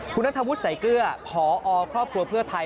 คุณนัทวุฒิสายเกลือพอครอบครัวเพื่อไทย